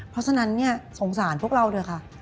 เพราะฉะนั้นสงสารพวกเราเถอะค่ะ